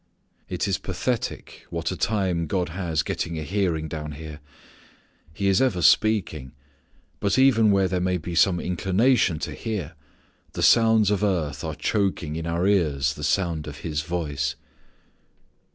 It is pathetic what a time God has getting a hearing down here. He is ever speaking but even where there may be some inclination to hear the sounds of earth are choking in our ears the sound of His voice.